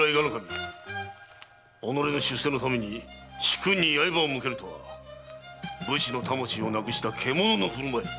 己の出世のために主君に刃を向けるとは武士の魂をなくした獣の振る舞い。